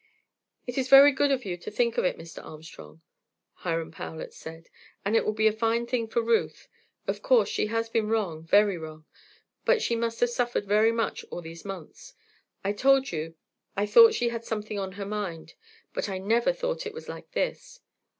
"It is very good of you to think of it, Mr. Armstrong," Hiram Powlett said, "and it will be a fine thing for Ruth. Of course, she has been wrong, very wrong; but she must have suffered very much all these months. I told you I thought she had something on her mind, but I never thought it was like this.